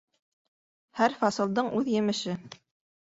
Һәр фасылдың үҙ емеше.